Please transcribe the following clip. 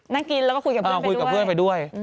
นั่งกินแล้วคุยกับเพื่อนไปด้วย